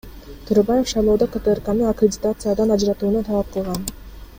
Төрөбаев шайлоодо КТРКны аккредитациядан ажыратууну талап кылган.